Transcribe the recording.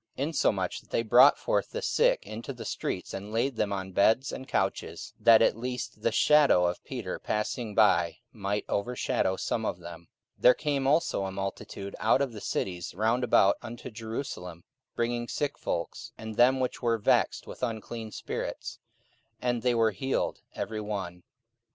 44:005:015 Insomuch that they brought forth the sick into the streets, and laid them on beds and couches, that at the least the shadow of Peter passing by might overshadow some of them. 44:005:016 There came also a multitude out of the cities round about unto Jerusalem, bringing sick folks, and them which were vexed with unclean spirits: and they were healed every one.